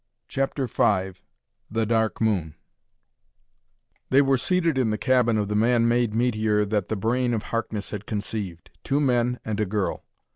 CHAPTER V The "Dark Moon" They were seated in the cabin of the man made meteor that the brain of Harkness had conceived two men and a girl.